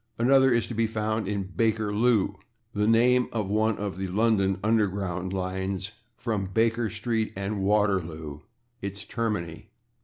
Another is to be found in /Bakerloo/, the name of one of the London underground lines, from /Baker street/ and /Waterloo/, its termini.